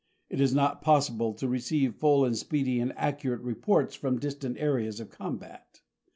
It is not possible to receive full and speedy and accurate reports front distant areas of combat.